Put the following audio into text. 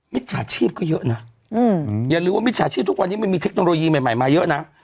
จ่าชีพก็เยอะนะอย่าลืมว่ามิจฉาชีพทุกวันนี้มันมีเทคโนโลยีใหม่มาเยอะนะ